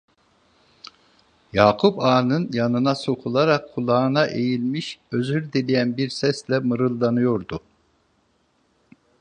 Yakup Ağa'nın yanına sokularak kulağına eğilmiş, özür dileyen bir sesle mırıldanıyordu: